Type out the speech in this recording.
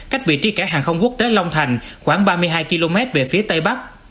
cách vị trí cảng hàng không quốc tế long thành khoảng ba mươi hai km về phía tây bắc